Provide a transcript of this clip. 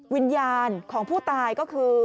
วิญญาณของผู้ตายก็คือ